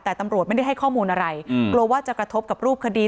แต่ตำรวจไม่ได้ให้ข้อมูลอะไรกลัวว่าจะกระทบกับรูปคดี